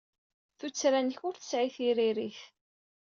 Tuttra-nnek ur tesɛi tiririt.